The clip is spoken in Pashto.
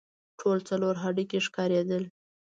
ټول څلور هډوکي ښکارېدل.